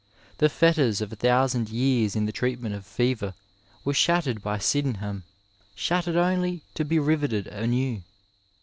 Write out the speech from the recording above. The fetters of a thousand years in the treatment of fever were shattered by Sydenham, shattered only to be riveted anew.